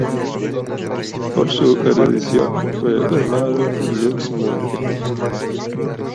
Por su erudición fue llamado "lux mundi".